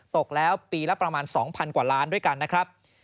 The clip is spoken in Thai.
ตกแล้วปีละประมาณ๒๐๐กว่าล้านด้วยกันนะครับ